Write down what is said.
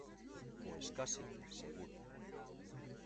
pues casi seguro